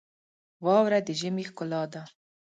واوره د ژمي ښکلا ده.